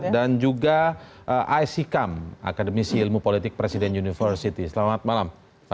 dan juga aisyi kam akademisi ilmu politik presiden university selamat malam